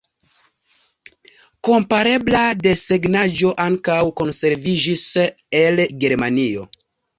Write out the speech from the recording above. Komparebla desegnaĵo ankaŭ konserviĝis el Germanio.